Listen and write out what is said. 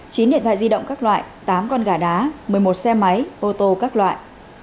chín điện thoại di động các loại tám con gà đá một mươi một xe máy ô tô các loại